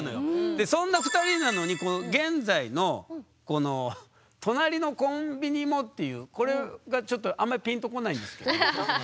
でそんな２人なのにこの現在の「隣のコンビニも」っていうこれがちょっとあんまりピンと来ないんですけど。